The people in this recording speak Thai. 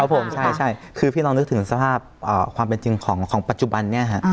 ผมใช่คือพี่น้องนึกถึงสภาพความเป็นจริงของปัจจุบันนี้ฮะ